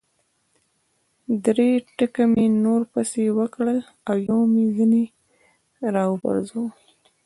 درې ټکه مې نور پسې وکړل او یو مې ځنې را و پرځاوه.